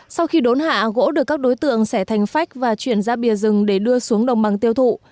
sau khi đốn hạ gỗ được các đối tượng xẻ thành phách và chuyển ra bìa rừng để đưa xuống đồng bằng tiêu thụ